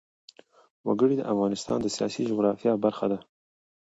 وګړي د افغانستان د سیاسي جغرافیه برخه ده.